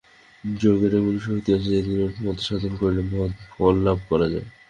যোগের এমনই শক্তি যে, অতি অল্পমাত্র সাধন করিলেও মহৎ ফল লাভ করা যায়।